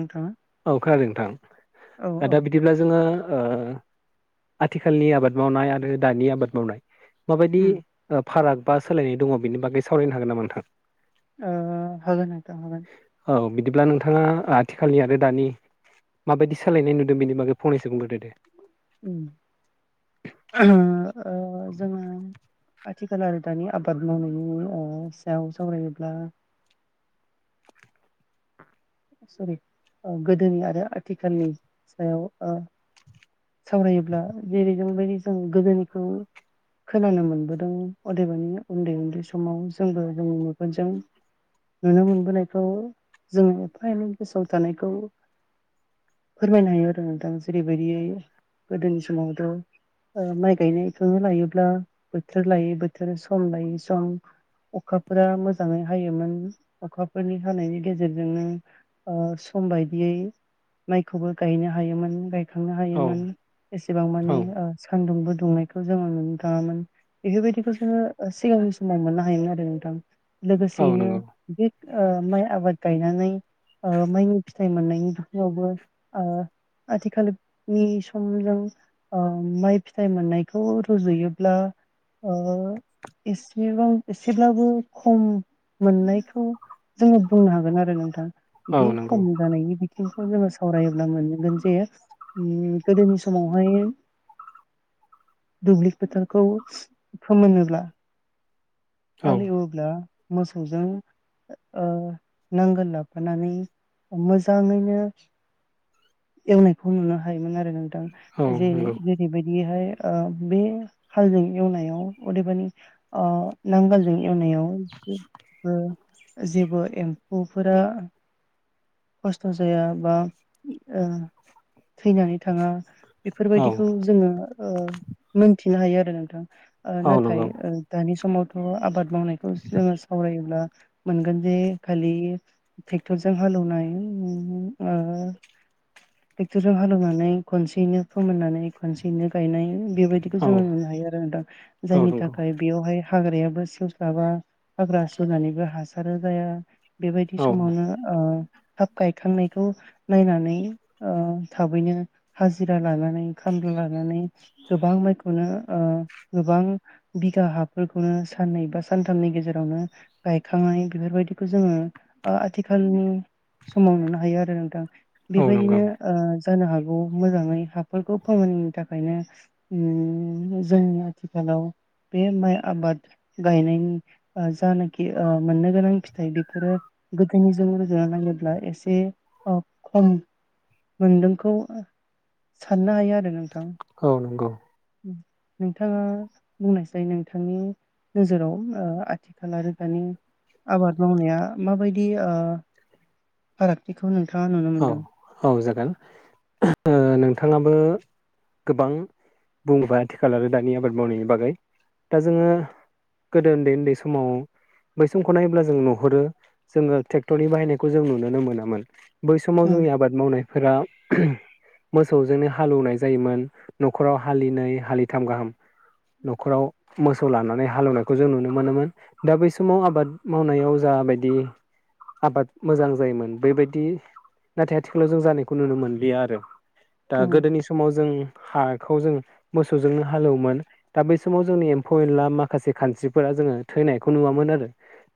नोंथाङा औ खोनादों औ नोंथां औ दा बिदिब्ला जोङो आथिखालनि आबाद मावनाय आरो दानि आबाद मावनाय माबायदि उम फाराग बा सोलायनाय दङ' बेनि बागै सावरायनो हागोन नामा नोंथां? आ हागोन नोंथां हागोन। औ बिदिब्ला नोंथाङा आथिखालनि आरो दानि माबायदि सालायनाय नुदों बेनि बागै फंनैसो बुंग्रोदो दे‌। जोङो- आथिखाल आरो दानि आबाद मावनायनि अ सायाव सावरायोब्ला सरि गोदोनि आरो आथिखालनि सायाव सावरायोब्ला जेरै जोंबायदि जों गोदोनिखौ खोनानो मोनबोदों अदेबानि उन्दै उन्दै समाव जोंबो जों मेगनजों नुनो मोनबोनायखौ जोङो एफा एनै गोसोआव थानायखौ फोरमायनो हायो आरो नोंथां जेरैबायदियै गोदोनि समावथ' माइ गायनायखौनो लायोब्ला बोथोर लायै बोथोर सम लायै सम अखाफोरा मोजाङै हायोमोन, अखाफोरनि हानायनि गेजेरजोंनो सम बायदियै माइखौबो गायनो हायोमोन गायखांनो औ हायोमोन एसेबां औ मानि सानदुंबो दुंनायखौ जोङो नुनो थाङामोन। बेफोरबायदिखौ जोङो सिगांनि समाव मोननो हायोमोन आरो नोंथां। औ लोगोसेयैनो नंगौ बे माइ आबाद गायनानै माइनि फिथाइ मोननायनि बिायावबो ओ आथिखालनि समजों माइ फिथाइ मोननायखौ रुजुयोब्ला ओ एसेबां एसेब्लाबो खम मोननायखौ जोङो बुंनो हागोन आरो नोंथां औ बे नंगौ खम जानायनि बिथिंखौ जोङो सावरायोब्ला मोनगोन जे गोदोनि समावहाय दुब्लि फोथारखौ फोमोनोब्ला औ हाल एवोब्ला मोसौजों ओ नांगोल लाफानानै मोजाङैनो एवनायखौ नुनो हायोमोन आरो नोंथां औ जे नंगौ बेबायदिहाय बे हालजों एवनायाव अदेबानि अ नांगोल जों एवनायावबो जेबो एम्फौफोरा खस्थ' जाया बा थैनानै थाङा- औ बेफोरबायदिखौ जोङो मोनथिनो हायो आरो नोंथां औ नाथाय नंगौ ओ दानि समावथ' आबाद मावनायखौ जोङो सावरायोब्ला मोनगोन जे खालि ट्रेक्टरजों हालौनाय ट्रेक्ट'राव हालेवनानै खनसेनो फोमोननानै खनसेयैनो गायनाय। बेबायदिखौ औ जोङो नुनो हायो आरो न दां औ नंगौ औ जायनि नंगौ थाखाय बेवहाय हाग्रायाबो सिवस्लाबा हाग्रा सुनानैबो हासार जाया। बेबायदि समावनो ओ थाब गायखांनायखौ नायनानै ओ थाबैनो हाजिरा लानानै खामला लानानै गोबां माइखौनो ओ गोबां बिघा हाफोरखौनो साननै बा सानथामनि गेजेरावनो गायखांनाय बेफोरबायदिखौ जोङो ओ आथिखालनि समाव नुनो हायो आरो नोंथां बेबायदिनो ओ जानो हागौ मोजाङै हाफोरखौ फोरमोनैनि थाखायनो ओम जोंनि आथिखालाव बे माइ आबाद गायनायनि जानाखि मोननो गोनां फिथाइ बेफोरो गोदोनिजों रुजुना नायोब्ला ब्ला एसे खम मोनदोंखौ साननो हायो आरो नोंथां। औ नंगौ। नोंथाङा बुंनायसाय नोंथांनि नोजोराव ओ आथिखाल आरो दानि आबाद मावनाया माबायदि ओ फारागथिखौ नोंथाङा नुनो औ मोन्दों। औ जागोन ओ नोंथाङाबो गोबां बुंबोबाय आथिखाल आरो दानि आबाद मावनायनि बागै। दा जोङो गोदो उन्दै उन्दै समाव बै समखौ नायोब्ला जों नुहुरो जोङो ट्रेक्टरनि बाहायनायखौ जों नुुनोनो मोनामोन। बै समाव उम जोंनि आबाद मावनायफोरा ओहोम मोसौजोंनो हालौएवनाय जायोमोन न'खराव हालिनै हालिथाम गाहाम। न'खराव मोसौ लानानै हालेवनायखौ जों नुनो मोनोमोन। दा बै समाव आबाद मावनायाव जाबायदि आबाद मोजां जायोमोन बेबायदि नाथाय आथिखालाव जों जानायखौ नुनो मोनलिया आरो। दा उम गोदोनि सम समाव जों हाखौ जों मोसौजोंनो हालौवोमोन। दा बै समाव जोंनि एम्फौ एनला माखासे खानस्रिफोरा जोङो थैनायखौ नुवामोन आरो।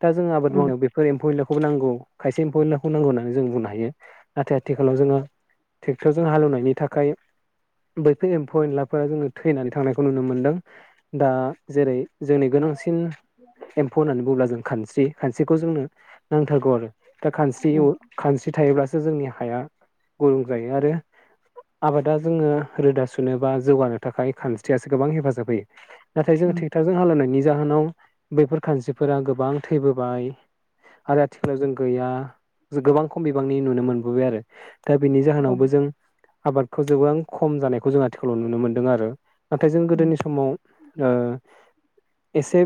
दा जों आबाद उम मावनायाव बेफोर एम्फौ एनलाखौ नांगौ खायसे एम्फौ एनलाखौ नांगौ होननानै जों बुंनो हायो। नाथाय आथिखालाव जोङो ट्रेक्टरजों हाल एवनायनि थाखाय बैफोर एम्फौ एनलाफोरा जोङो थैनानै थांनायखौ नुनो मोन्दों। दा जेरै जोंनि गोनांसिन एम्फौ होननानै बुङोब्ला जों खानस्रि खानस्रिखौ जोंनो नांथारगौ आरो। दा खानस्रि उम उइ खानस्रि थायोब्लासो जोंनि हाया गुरुं जायो आरो आबादा जोङो रोदा सुनो बा जौगानो थाखाय खानस्रियासो गोबां हेफाजाब होयो। नाथाय जों उम ट्रेक्ट'रजों हालेनायनि जाहोनाव बैफोर खानस्रिफोरा गोबां थैबोबाय। आरो आथिखालाव जों गैया गोबां खम बिबां नि नुनो मोनबोबाय आरो दा बिनि औ जाहोनावबो जों आबादखौ गोबां खम जानायखौ जों आथिखालाव नुनो मोन्दों आरो। नाथाय जों उम गोदोनि समाव ओ एसे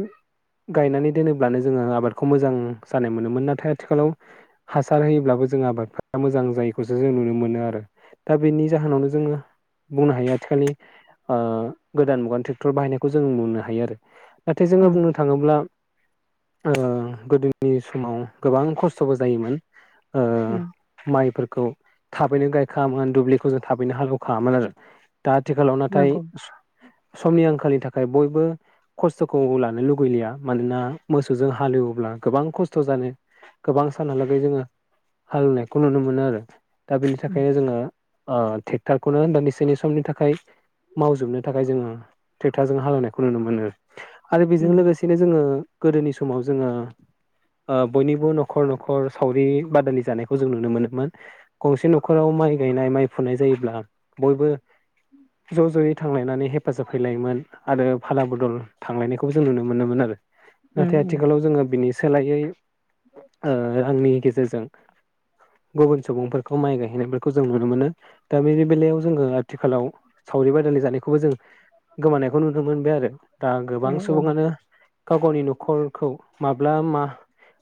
गायनानै दोनोब्लानो जोङो आबादखौ मोजां जानाय मोनोमोन। नाथाय आथिखालाव हासार होयोब्लाबो ज जों आबादफोरा मोजां जायैखौसो जों नुनो मोनो आरो। दा बेनि जाहोनावनो जोङो बुंनो हायो आथिखालि ओ गोदान मुगानि ट्रेक्टर बाहायनायखौ जों नुनो हायो आरो। नाथाय जोङो उम बुंनो थाङोब्ला ओ गोदोनि समाव गोबां खस्थ'बो जायोमोन। ओ ओम। माइफोरखौ थाबैनो गायखाङामोन दुब्लिखौ जों थाबैनो हाल एवखाङामोन आरो। दा आथिखालाव नाथाय नंगौ स-समनि आंखालनि थाखाय बयबो खस्थ'खौ लानो लुुगैलिया मानोना मोसौजों हालेवोब्ला गोबां कस्थ' जानो गोबां सानहालागै जोङो हालेवनायखौ नुनो मोनो आरो। दा बेनि उम थाखायनो जोङो ओ ट्रेक्टरखौनो होननानै सेनि समनि थाखाय मावजोबनो थाखाय जोङो ट्रेक्टरजों हालेवनायखौ नुनो मोनो आरो बेजों उम लोगोसे बिदिनो जोङो गोदोनि समाव जोङो ओ बयनिबो न'खर न'खर सावरि बादालि जानायखौ जों नुनो मोनोमोन। गंसे न'खराव माइ गायनाय माइ फुनाय जायोब्ला बयबो ज' ज'यै थांलायनानै हेफाजाब हैलायोमोन। आरो फाला बदल थांलायनायखौबो जों नुनो मोनोमोन आरो। उम नाथाय उम आथिखालाव जोङो बिनि सोलायै ओ आंनि गेजेरजों गुबुन सुबुंफोरखौ माइ गायहैनायफोरखौ जों नुनो मोनो। दा बेनि बेलायाव जोङो आथिखालाव सावरि बादालि जानायखौबो जों गोमानायखौ नुनो मोनबाय आरो। दा औ गोबां औ सुबुङानो गाव गावनि न'खरखौ माब्ला मा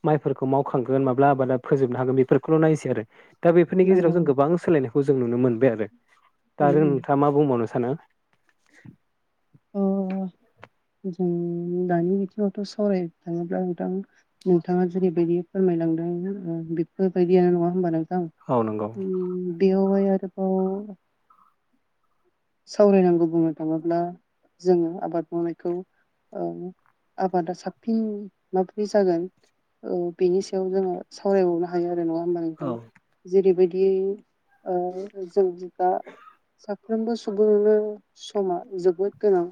माइफोरखौ मावखांगोन माब्ला आबादा फोजोबनो हागोन बेफोरखौल' नायनोसै आरो दा बेफोरनि नंगौ गेजेराव जों गोबां सोलायनायखौ जों नुनो मोनबाय आरो दा उम आरो उम नोंथाङा मा बुंबावनो सानो अ जों दानि बिथिङावथ' सावरायनो थाङोब्ला नोंथां नोंथाङा जेरैबायदि फोरमायलांदों ओ बेफोरबायदियानो नङा होमबा नों थां औ नंगौ बेयावहाय आरोबाव सावरायनांगौ बुंनो थाङोब्ला जोङो आबाद मावनायखौ औ आबादा साबसिन माब्रै जागोन औ बेनि सायाव जोङो फरायबावनो हायो आरो नङा होमबा नोंथां औ जेरैबायदि ओ जों दा साफ्रोमबो सुबुङानो समा जोबोद गोनां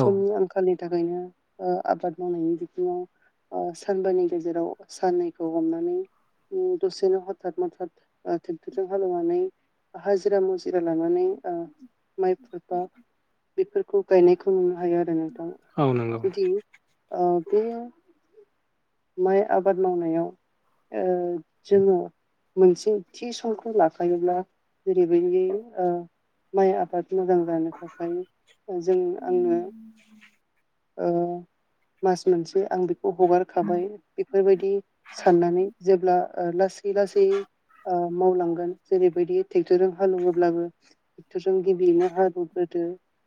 समनि आंखालनि थाखायनो ओ आबाद मावनायनि बिथिङाव ओ सानबानि गेजेराव साननैखौ हमनानै दसेनो हथाथ मथत ट्रेक्टरजों हालेवनानै हाजिरा मुजिरा लानानै ओ माइ फोरबो बेफोरखौ गायनायखौ नुनो हायो आरो नोंथां नंगौ जुदि ओ बे माइ आबाद मावनायाव ओ जोङो मोनसे थिउसनखौ लाफायोब्ला जेरैबायदि ओ माइ आबाद मोजां जानो थाखाय जों आंनो औ मास मोनसे आं बेखौ हगारखाबाय बेफोरबायदि साननानै जेब्ला ओ लासै लासै ओ मावलांगोन जेरैबायदि ट्रेक्टरजों हालेवोब्लाबो बोरजों गिबियैनो हाल एवग्रोदो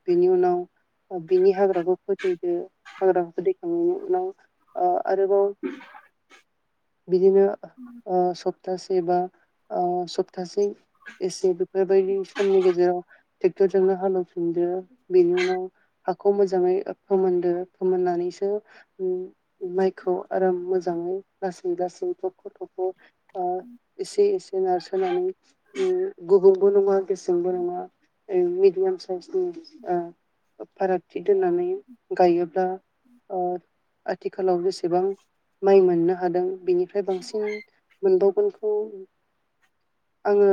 बेनि उनाव बिनि हाग्राखौ फोथैदो हाग्राखौ फोथैखांनायनि उनाव ओ आरोबाव बिदिनो ओ सब सप्तासे बा ओ सप्तासे एसे बेफोरबायदि समनि गेजेराव ट्रेक्टरजोंनो हाल एवफिनदो बेनि उनाव हाखौ मोजाङै फोमोनदो फोमोननानैसो माइखौ आराम मोजाङै लासै लासै थख' थख' ओ एसे एसे नारसोनानै गुबुंबो नङा गेसेंबो नङा ओ मिडियाम साइसनि ओ फारागथि दोननानै गायोब्ला ओ आथिखालाव जेसेबां माइ मोननो हादों बिनि ओमफ्राय बांसिन मोनबावगोनखौ आङो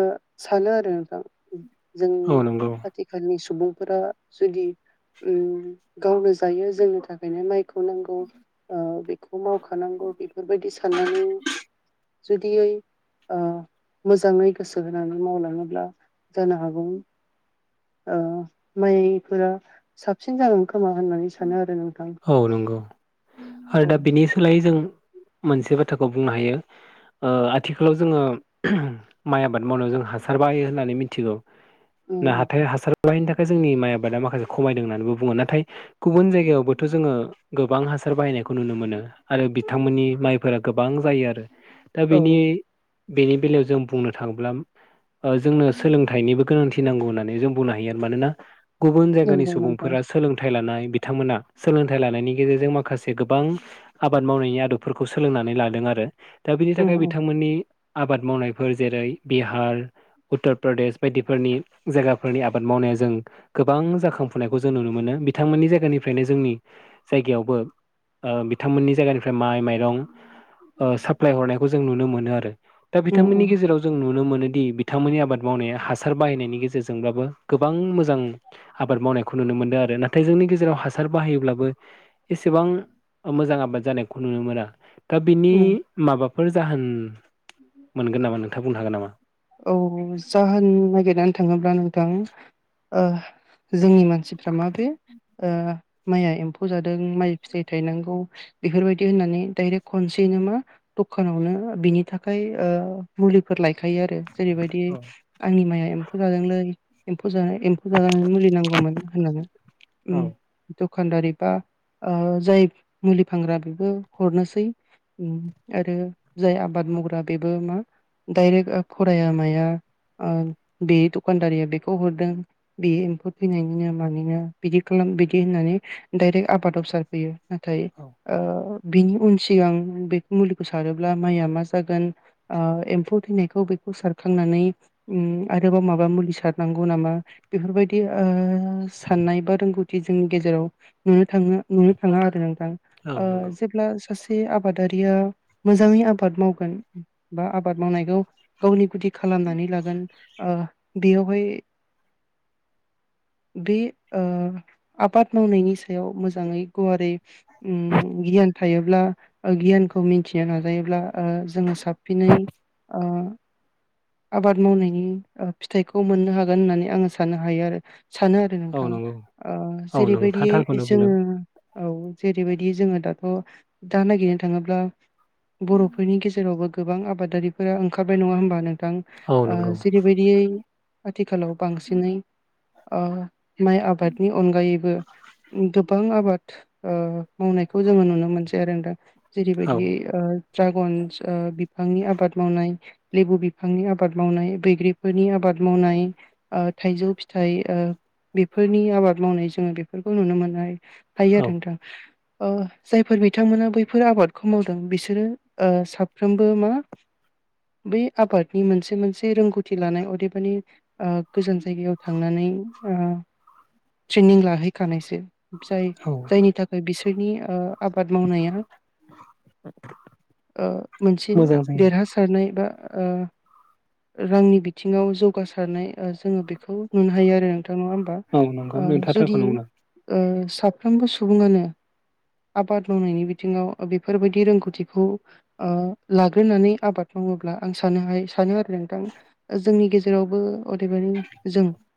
सानो आरो नोंथां जों औ नंगौ आथिखालनि सुबुंफोरा जुदि ओम गावनो जायो जोंनि थाखायनो माइ [unintelligible] ओ बेखौ मावखानांगौ बेफोरबायदि साननानै जुदियै ओ मोजाङै गोसो होनानै मावलाङोब्ला जानो हागौ [unintelligible] ओ माइफोरा साबसिन जागोन खोमा होननानै सानो आरो नोंथां औ नंगौ आरो औ दा बिनि सोलायै जों मोनसे बाथ्राखौ बुंनो हायो ओ आथिखालाव जोङो माइ आबाद मावनायाव जों हासार बाहायो होननानै मिथिगौ उम ना उम हाथाय हासार [unintelligible] नि थाखाय जोंनि माइ आबादा माखासे खमायदों होननानैबो बुङो नाथाय गुबुन जायगायावबोथ' जोङो गोबां हासार बाहायनायखौ नुनो मोनो आरो बिथांमोननि माइफोरा गोबां जायो आरो दा औ बिनि बेनि बेलायाव जों बुंनो थाङोब्ला ओ जोंनो सोलोंथाइनिबो गोनांथि नांगौ होन्नानै जों बुंनो हायो आरो मानोना गुबुन जायगानि नंगौ नोंथां सुबुंफोरा सोलोंथाइ लानाय बिथांमोना सोलोंथाइ लानायनि गेजेरजों माखासे गोबां आबाद मावनायनि आदबफोरखौ सोलोंनानै लादों आरो दा बिनि उम थाखाय उम बिथांमोननि आबाद मावनायफोर जेरै बिहार उत्तर प्रदेश बायदिफोरनि जायगाफोरनि आबाद मावनाया जों गोबां जाखांफुनायखौ जों नुनो मोनो बिथांमोननि जाय जायगानिफ्रायनो जोंनि जायगायावबो ओ बिथांमोननि जायगानिफ्राय माइ माइरं ओ साप्लाय हरनायखौ जों नुनो मोनो। आरो दा उम बिथांमोननि उम गेजेराव जों नुनो मोनोदि बिथांमोननि आबाद मावनाया हासार बाहायनायनि गेजेरजोंब्लाबो गोबां मोजां आबाद मावनायखौ नुनो मोनदों आरो नाथाय जोंनि गेजेराव हासार बाहायोब्लाबो एसेबां मोजां आबाद जानायखौ नुनो मोना दा बिनि उम माबाफोर जाहोन मोनगोन नामा नोंथां बुंनो हागोन नामा? औ जाहोन नागिरनानै थाङोब्ला नोंथां ओ जोंनि मानसि [unintelligible] माइआ एम्फौ जादों माइ फिथाइ थायनांगौ बेफोरबायदि होननानै डायरेक्ट खनसेयैनो मा दखानावनो बिनि थाखाय ओ मुलिफोर लायखायो आरो जेरैबायदि औ आंनि माइया एम्फौ जादोंलै एम्फौ जानाय एम फुजा जानायनि मुलि नांगौमोन होननानै औ उम दखानदारि बा ओ जाय मुलि फानग्रा बेबो हरनोसै आरो जाय आबाद मावग्रा बेबो मा दायरेक्ट ओ फराया माया ओ बे दखानदारिया बेखौ हरदों बे एम्फौ थैनायनिनो मानिनो बिदि खालाम बिदि होननानै डायरेक्ट आबादाव सारफैयो नाथाय औ ओ बिनि उन सिगां बे मुलिखौ सारोब्ला माइआ मा जागोन ओ एम्फौ थैनायखौ बे खौ सारखांनानै उम आरोबाव माबा मुलि सारनांगौ नामा बेफोरबायदि ओ साननाय बा रोंगौथि जोंनि गेजेराव नुनो थाङो नुनो थाङा आरो औ नोंथां नंगौ जेब्ला सासे आबादारिया मोजाङै आबाद मावगोन बा आबाद मावनायखौ गावनि गुदि खालामनानै लागोन ओ बेयावहाय बे ओ आबाद मावनायनि सायाव मोजाङै गुवारै उम गियान थायोब्ला गियानखौ मिन्थिनो नाजायोब्ला ओ जोङो साबफिनै ओ आबाद मावनायनि फिथाइखौ मोननो हागोन होननानै आङो साननो हायो आरो। सानो आरो औ नोंथां नंगौ ओ औ जेरैबायदि नोंथाङा थारखौनो बुंदों जोङो औ जेरैबायदि जोङो दाथ' दा नागिरनो थाङोब्ला बर'फोरनि गेजेरावबो गोबां आबादारिफोरा ओंखारबाय नङा होमबा नोंथां औ ओ नंगौ जेरैबाय बियै आथिखालाव बांसिनै ओ माइ आबादनि अनगायैबो गोबां आबाद ओ मावनायखौ जोङो नुनो मोनसै आरो नोंथां। औ जेरैबायदि ओ ड्रागनस ओ बिफांनि आबाद मावनाय लेबु बिफ बिफांनि आबाद मावनाय बैग्रिफोरनि आबाद मावनाय ओ थाइजौ फिथाइ ओ बेफोरनि आबाद मावनाय जोङो बेफोरखौ नुनो मोननाय थायो आरो नोंथां। [inaudible] [unintelligible] ओ जायफोर बिथांमोना बैफोर आबादखौ मावदों बिसोरो साफ्रोमबो मा बै आबादनि मोनसे मोनसे रोंगौथि लानाय अदेबानि ओ गोजान जायगायाव थांनानै ट्रेनिं लाहैखानायसो। जाय औ जायनि थाखाय बिसोरनि ओ आबाद मावनाया मोनसे मोजां जायो देरहासार सारनाय बा ओ रांनि बिथिङाव जौगासारनाय जोङो बेखौ नुनो हायो आरो नोंथां नङा होमबा। औ नंगौ ओ नोंथाङा जुदि थारखौनो बुंदों ओ साफ्रोमबो सुबुङानो आबाद मावनायनि बिथिङाव बेफोरबायदि रोंगौथिखौ ओ लाग्रोनानै आबाद मावोब्ला आं सानोहाय सानो आरो नोंथां। ओ जोंनि गेजेरावबो अदेबानि जों